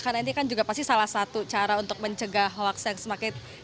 karena ini kan juga pasti salah satu cara untuk mencegah hoax yang semakin